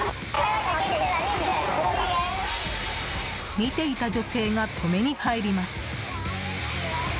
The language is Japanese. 見ていた女性が止めに入ります。